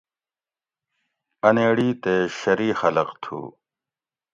انیڑی تے شری خلق تھو